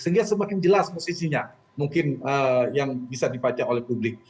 sehingga semakin jelas posisinya mungkin yang bisa dibaca oleh publik